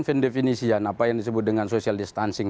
fin definition apa yang disebut dengan social distancing